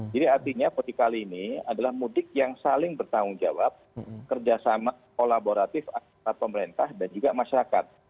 jadi artinya potik kali ini adalah mudik yang saling bertanggung jawab kerjasama kolaboratif antara pemerintah dan juga masyarakat